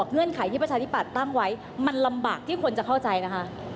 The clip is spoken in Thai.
เงื่อนไขที่ประชาธิปัตย์ตั้งไว้มันลำบากที่คนจะเข้าใจนะคะ